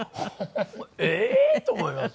ええー！と思います。